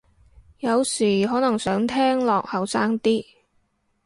有時可能想聽落後生啲